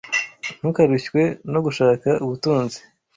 Ntukarushywe no gushaka ubutunzi